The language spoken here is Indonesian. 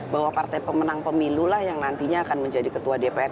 bahwa partai pemenang pemilulah yang nantinya akan menjadi ketua dpr